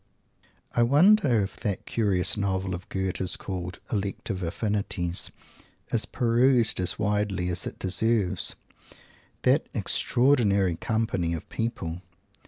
I wonder if that curious novel of Goethe's called the "Elective Affinities" is perused as widely as it deserves? That extraordinary company of people!